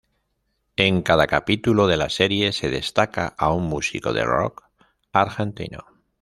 En cada capítulo de la serie se destaca a un músico del rock argentino.